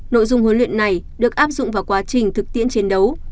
nội dung huấn luyện này được áp dụng vào quá trình thực tiễn chiến đấu